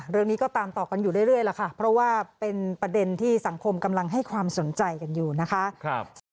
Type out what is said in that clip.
เรื่องนี้ก็ตามต่อกันอยู่เรื่อยล่ะค่ะเพราะว่าเป็นประเด็นที่สังคมกำลังให้ความสนใจกันอยู่นะคะ